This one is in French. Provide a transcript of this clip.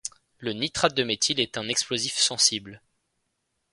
Le nitrate de méthyle est un explosif sensible.